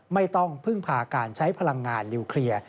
ไม่ต้องพึ่งพาการใช้พลังงานนิวเคลียร์